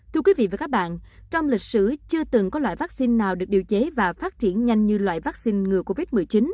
thưa quý vị và các bạn trong lịch sử chưa từng có loại vắc xin nào được điều chế và phát triển nhanh như loại vắc xin ngừa covid